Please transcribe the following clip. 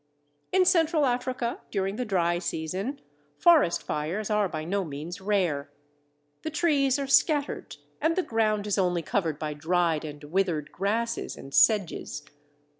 In Central Africa during the dry season forest fires are by no means rare. The trees are scattered, and the ground is only covered by dried and withered grasses and sedges.